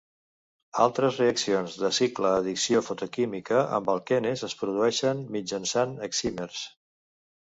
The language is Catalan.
Altres reaccions de cicle-addició fotoquímica amb alquenes es produeixen mitjançant excímers.